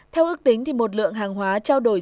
theo ước tính một lượng hàng hóa trao đổi